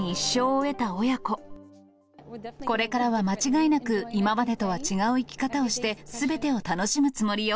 これからは間違いなく、今までとは違う生き方をして、すべてを楽しむつもりよ。